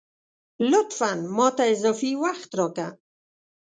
لطفاً ! ماته اضافي وخت راکه